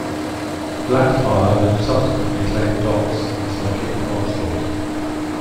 Blackfire then subsequently claimed Dox as her king consort.